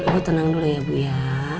ibu tenang dulu ya bu ya